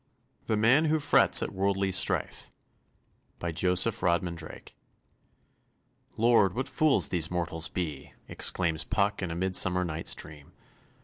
THE MAN WHO FRETS AT WORLDLY STRIFE "Lord, what fools these mortals be!" exclaims Puck in _A Mid summer Night's Dream.